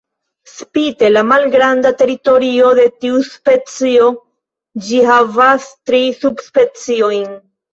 Spite la malgranda teritorio de tiu specio, ĝi havas tri subspeciojn.